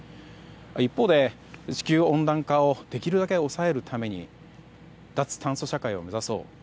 一方で地球温暖化をできるだけ抑えるために脱炭素社会を目指そう。